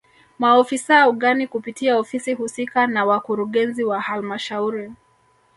Maofisa ugani kupitia ofisi husika na wakurugenzi wa halmashauri